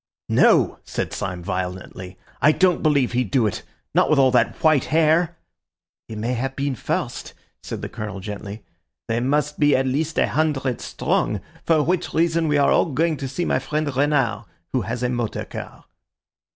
"No!" said Syme violently, "I don't believe he'd do it. Not with all that white hair." "He may have been forced," said the Colonel gently. "They must be at least a hundred strong, for which reason we are all going to see my friend Renard, who has a motor car."